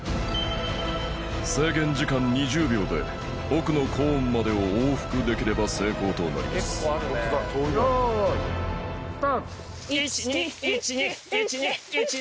制限時間２０秒で奥のコーンまでを往復できれば成功となりますイチニイチニイチニ